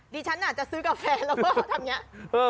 ดิฉันอาจจะซื้อกาแฟแล้ว